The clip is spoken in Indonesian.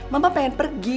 mama pengen pergi